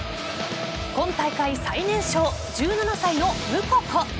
今大会最年少、１７歳のムココ。